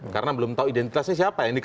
karena belum tahu identitasnya siapa